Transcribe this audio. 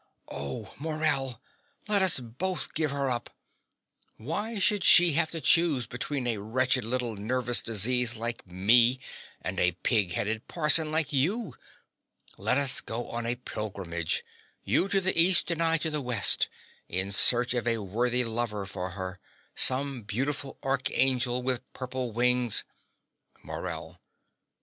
Oh, Morell, let us both give her up. Why should she have to choose between a wretched little nervous disease like me, and a pig headed parson like you? Let us go on a pilgrimage, you to the east and I to the west, in search of a worthy lover for her some beautiful archangel with purple wings MORELL.